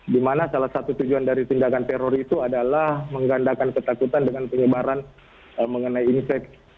dimana salah satu tujuan dari tindakan teror itu adalah menggandakan ketakutan dengan penyebaran mengenai insek